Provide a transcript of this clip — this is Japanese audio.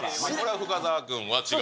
深澤君は違う？